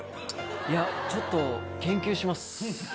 いや、ちょっと研究します。